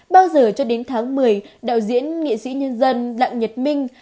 bao giờ cho đến tháng một mươi đạo diễn nghệ sĩ nhân dân đặng nhật minh